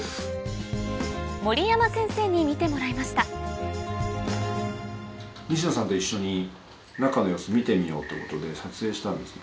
守山先生に見てもらいました西野さんと一緒に中の様子見てみようってことで撮影したんですね。